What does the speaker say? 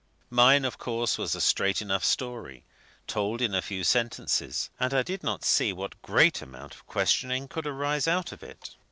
Mine, of course, was a straight enough story, told in a few sentences, and I did not see what great amount of questioning could arise out of it.